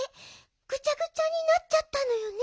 ぐちゃぐちゃになっちゃったのよね。